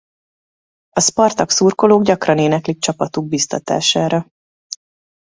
A Szpartak-szurkolók gyakran éneklik csapatuk biztatására.